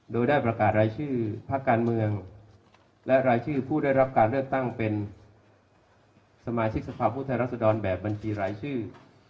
โดยได้ประกาศรายชื่อภาคการเมืองและรายชื่อผู้ได้รับการเลือกตั้งเป็นสมาชิกสภาพผู้แทนรัศดรแบบบัญชีรายชื่อ